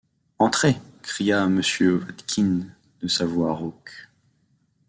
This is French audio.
Entrez ! cria Mr. Watkins de sa voix rauque.